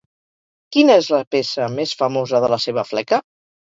Quina és la peça més famosa de la seva fleca?